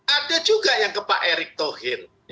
ada juga yang ke pak erick thohir